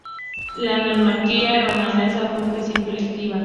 La monarquía romana fue en principio electiva.